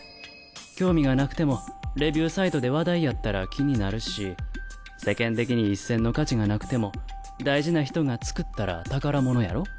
興味がなくてもレビューサイトで話題やったら気になるし世間的に一銭の価値がなくても大事な人が作ったら宝物やろ。